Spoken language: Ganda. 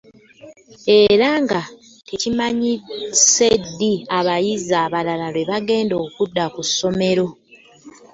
Era nga tekimanyise ddi abayizi abalala lwe bagenda kudda ku ssomero.